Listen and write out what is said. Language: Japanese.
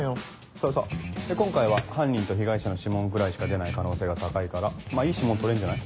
そうそうで今回は犯人と被害者の指紋くらいしか出ない可能性が高いからまぁいい指紋採れんじゃない？